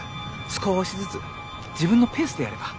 少しずつ自分のペースでやれば。